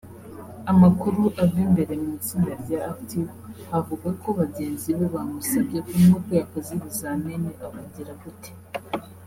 Amakuru ava imbere mu itsinda rya Active avuga ko bagenzi be bamusabye ko nubwo yakoze ibizamini akagira gute